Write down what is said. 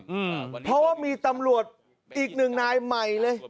อืมเพราะว่ามีตำรวจอีกหนึ่งนายใหม่เลย